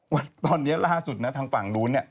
ว่าตอนนี้ล่าสุดทางฝั่งรุ้น